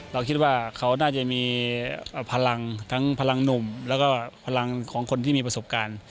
เราคิดว่าเขาน่าจะมีพลังทั้งพลังหนุ่มแล้วก็พลังของคนที่มีประสบการณ์